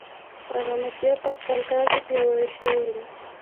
هغه مافیا په خپل کار کې پیاوړې شوې ده.